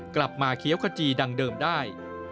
กลับมาเคี้ยวขจีดังเดิมได้